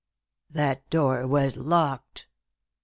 "That door was locked."